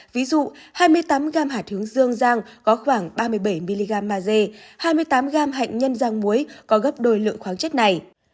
ví dụ hai mươi tám g hạt hướng dương rang có khoảng ba mươi bảy mg maze hai mươi tám g hạnh nhân rang muối có gấp đôi lượng khoáng chất này